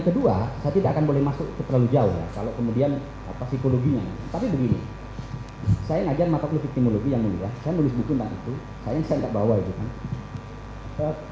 ketika dihukum oleh pihak yang melihat saya menulis buku tentang itu sayang saya tidak bawa itu kan